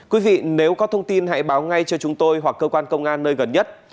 quý vị nếu có thông tin hãy báo ngay cho chúng tôi hoặc cơ quan công an nơi gần nhất